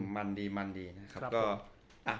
มันดีนะครับ